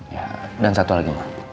ya dan satu lagi